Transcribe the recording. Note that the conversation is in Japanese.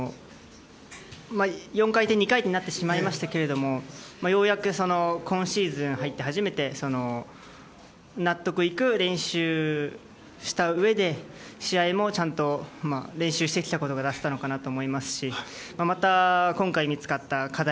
４回転、２回転になってしまいましたがようやく今シーズン入って初めて納得いく練習をしたうえで試合もちゃんと練習してきたことが出せたのかなと思いますしまた今回見つかった課題